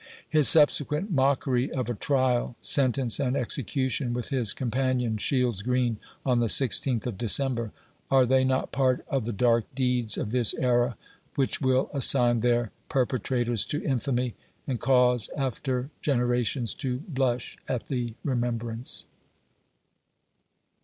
His subsequent mockery of ESCAPE FROM VIRGINIA. 51 a trial, sentence and execution, with his companion Shields Green, on the 16th of December — are they not part of the dark deeds of this era, which will assign their perpetrators to infamy, and cause after generations to blusn at the remem brance?